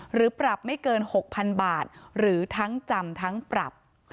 หรือปรับไม่เกิน๖๐๐๐บาทหรือทั้งจำทั้งปรับ